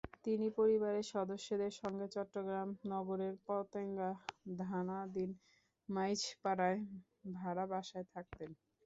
তিনি পরিবারের সদস্যদের সঙ্গে চট্টগ্রাম নগরের পতেঙ্গা থানাধীন মাইজপাড়ায় ভাড়া বাসায় থাকতেন।